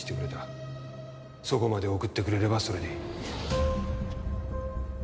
そこまで送ってくれればそれでいい。